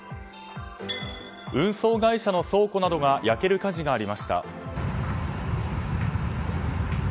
運送会社の倉庫などが焼ける火事がありました。